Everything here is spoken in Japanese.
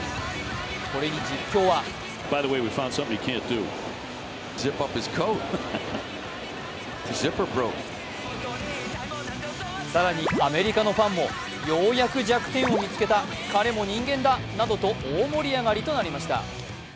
これに実況は更にアメリカのファンもようやく弱点を見つけた、彼も人間だなどと大盛り上がりとなりました。